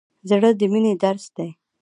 زړه د مینې درس دی.